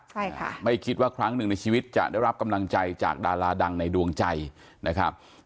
ใช่ค่ะไม่คิดว่าครั้งหนึ่งในชีวิตจะได้รับกำลังใจจากดาราดังในดวงใจนะครับ